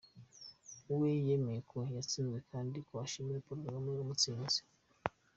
We yemeye ko yatsinzwe kandi ko ashimira Paul Kagame wamutsinze.